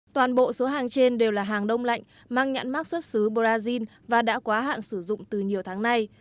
toàn bộ số hàng trên đều là hàng đông lạnh mang nhãn mắc xuất xứ brazil và đã quá hạn sử dụng từ nhiều tháng nay